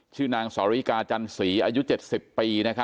ชื่อนางสริกาจันสีอายุ๗๐ปี